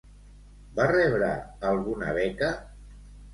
Va rebre alguna beca?